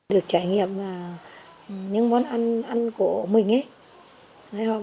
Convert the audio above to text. được trải nghiệm những món ăn của mình